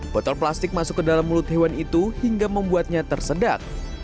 botol plastik masuk ke dalam mulut hewan itu hingga membuatnya tersedak